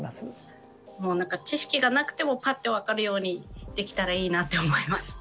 もう何か知識がなくてもパッて分かるようにできたらいいなと思います。